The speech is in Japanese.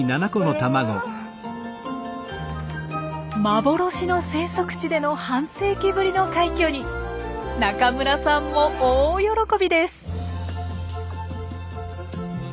幻の生息地での半世紀ぶりの快挙に中村さんも大喜びです。